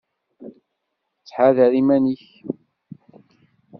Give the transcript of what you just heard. Ttḥadar iman-ik!